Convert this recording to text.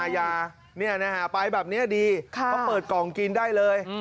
ไปแบบนี้ดีเขาเปิดกล่องกินได้เลย